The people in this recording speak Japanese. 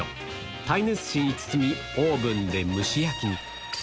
耐熱紙に包みオーブンで蒸し焼きに。